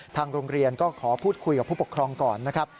ทางโรงเรียนก็ขอพูดคุยกับผู้ปกครองก่อนนะครับ